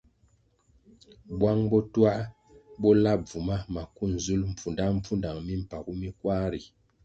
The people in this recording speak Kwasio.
Bwang bo twā bo la bvuma maku nzulʼ mpfudangpfudang mimpagu mi kwar ri.